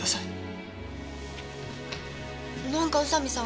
なんか宇佐見さん